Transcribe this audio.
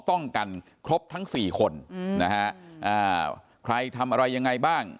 ต้องกันครบทั้งสี่คนอืมนะฮะอ่าใครทำอะไรยังไงบ้าง